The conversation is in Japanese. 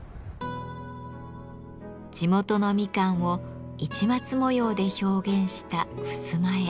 地元のみかんを市松模様で表現したふすま絵。